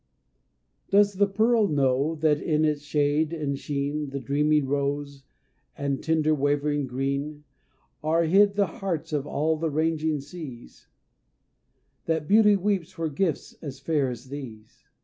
Does the pearl know, that in its shade and sheen The dreamy rose, and tender wavering green, Are hid the hearts of all the ranging seas That Beauty weeps for gifts as fair as these?